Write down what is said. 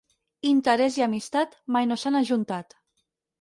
Interès i amistat mai no s'han ajuntat.